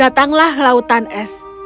itu adalah lautan es